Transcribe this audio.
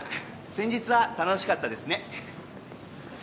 先日は楽しかったですね。